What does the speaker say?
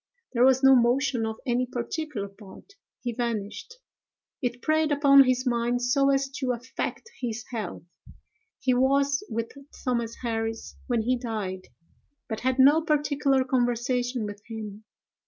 There was no motion of any particular part: he vanished. It preyed upon his mind so as to affect his health. He was with Thomas Harris when he died, but had no particular conversation with him.